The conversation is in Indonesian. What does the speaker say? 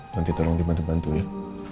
nanti tolong dimantuin